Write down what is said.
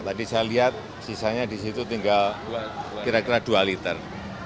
tadi saya lihat sisanya di situ tinggal kira kira dua liter